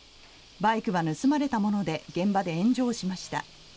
バイクは盗まれたもので現場で炎上しました。